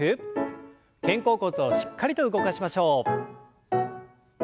肩甲骨をしっかりと動かしましょう。